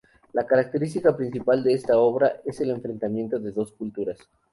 La característica principal de esta obra es el enfrentamiento de dos culturas.